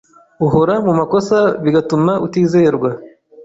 uhora mu makosa bigatuma utizerwa